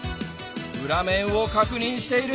裏面を確認している。